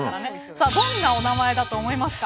さあどんなおなまえだと思いますか？